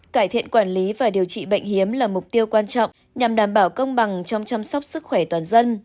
cải thiện quản lý và điều trị bệnh hiếm là mục tiêu quan trọng nhằm đảm bảo công bằng trong chăm sóc sức khỏe toàn dân